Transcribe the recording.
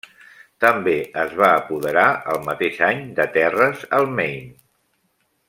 També es va apoderar el mateix any de terres al Maine.